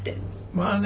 まあね